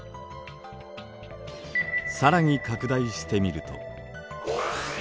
更に拡大してみると。